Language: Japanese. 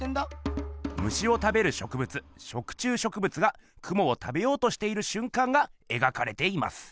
虫を食べる植物食虫植物がクモを食べようとしているしゅんかんが描かれています。